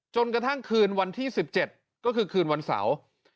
จนกระทั่งคืนวันที่๑๗ก็คือคืนวันเสาร์